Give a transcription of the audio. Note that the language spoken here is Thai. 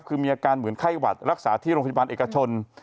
คือมีอาการเหมือนไข้หวัดรักษาที่โรงพยาบาลเอกชน